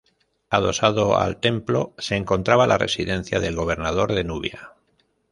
Adosado al templo se encontraba la residencia del gobernador de Nubia.